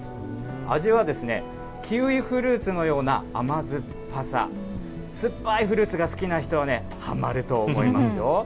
味はキウイフルーツのような甘酸っぱさ、酸っぱいフルーツが好きな人はね、はまると思いますよ。